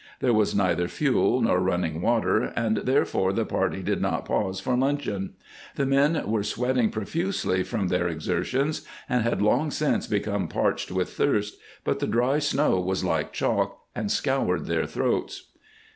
There was neither fuel nor running water, and therefore the party did not pause for luncheon. The men were sweating profusely from their exertions and had long since become parched with thirst, but the dry snow was like chalk and scoured their throats.